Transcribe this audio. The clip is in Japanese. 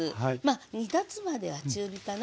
煮立つまでは中火かな。